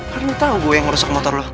kan lu tau gue yang ngerusuk motor lu